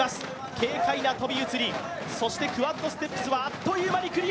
軽快な飛び移り、そしてクワッドステップスはあっという間にクリア。